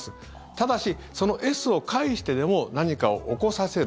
ただし、そのＳを介してでも何かを起こさせる。